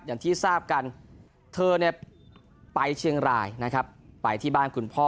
อย่างที่ทราบกันเธอเนี่ยไปเชียงรายนะครับไปที่บ้านคุณพ่อ